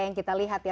yang kita lihat ya